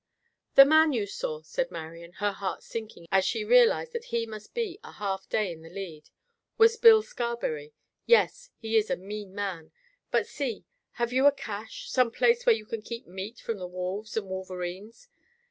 "The man you saw," said Marian, her heart sinking as she realized that he must be a half day in the lead, "was Bill Scarberry. Yes, he is a mean man. But see! Have you a cache? Some place where you can keep meat from the wolves and wolverines?"